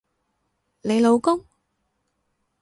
你老公？